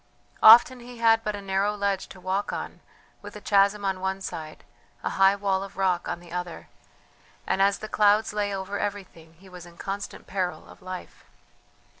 Often he had but a narrow ledge to walk on, with a chasm on one side, a high wall of rock on the other; and as the clouds lay over everything he was in constant peril of life.